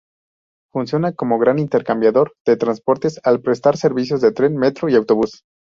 Funciona como gran intercambiador de transportes, al prestar servicios de tren, metro y autobús.